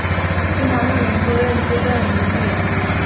清朝末年出任资政院议员。